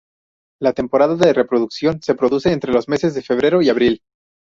La temporada de reproducción se produce entre los meses de febrero y abril.